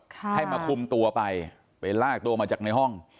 ให้มาคุมตัวไปไปลากตัวมาจากในห้อง